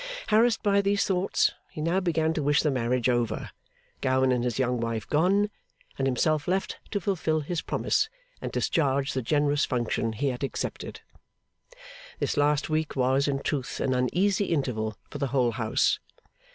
Harassed by these thoughts, he now began to wish the marriage over, Gowan and his young wife gone, and himself left to fulfil his promise, and discharge the generous function he had accepted. This last week was, in truth, an uneasy interval for the whole house.